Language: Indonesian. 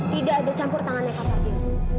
tidak ada campur tangannya kak fadil